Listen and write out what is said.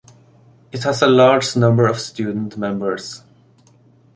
It has a large number of student members.